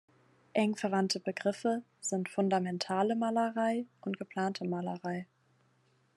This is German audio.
Eng verwandte Begriffe sind "Fundamentale Malerei" und "Geplante Malerei".